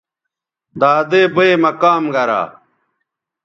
دادئ بئ مہ کام گرا